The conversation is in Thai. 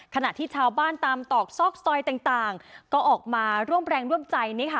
ขณะที่ชาวบ้านตามตอกซอกซอยต่างก็ออกมาร่วมแรงร่วมใจ